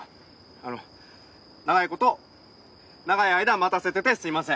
あの長いこと長い間待たせててすいません。